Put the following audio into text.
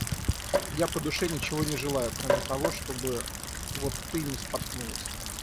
Я по душе ничего не желаю, кроме того, чтобы вот ты не споткнулась.